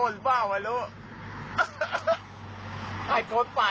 ล่วงเลยนะ